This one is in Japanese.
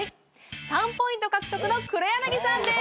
３ポイント獲得の黒柳さんです！